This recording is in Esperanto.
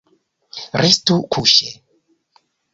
Restu kuŝe.